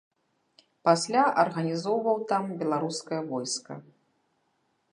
Пасля арганізоўваў там беларускае войска.